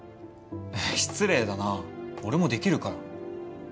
失礼だな俺もできるから。